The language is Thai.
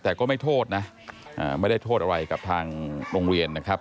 แต่ก็ไม่โทษนะไม่ได้โทษอะไรกับทางโรงเรียนนะครับ